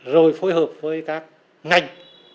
rồi phối hợp với các ngành